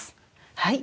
はい。